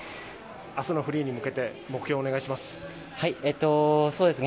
明日のフリーに向けて目標をお願いします。